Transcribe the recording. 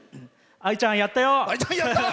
あいちゃん、やったよ！